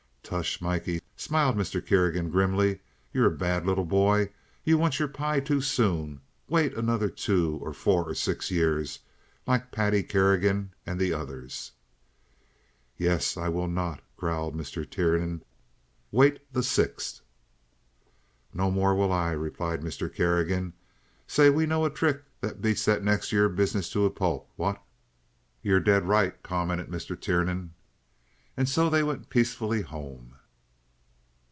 "Tush! Mikey," smiled Mr. Kerrigan, grimly. "You're a bad little boy. You want your pie too soon. Wait another two or four or six years, like Paddy Kerrigan and the others." "Yes, I will—not," growled Mr. Tiernan. "Wait'll the sixth." "No more, will I," replied Mr. Kerrigan. "Say, we know a trick that beats that next year business to a pulp. What?" "You're dead right," commented Mr. Tiernan. And so they went peacefully home.